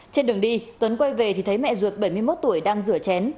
trên đường đi tuấn quay về thì thấy mẹ ruột bảy mươi một tuổi đang rửa chén